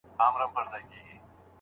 خلګ به ساعت ته ګوري.